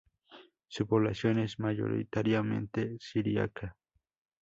Su población es mayoritariamente siríaca.